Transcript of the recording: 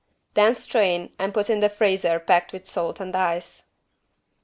Then strain and put in the freezer packed with salt and ice.